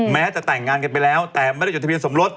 แม้จะแต่งงานกันไปแล้วแต่ไม่ได้จดทะเบียนสมรส